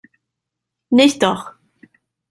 Nicht doch!